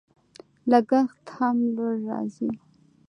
لګښت هم لوړ راځي.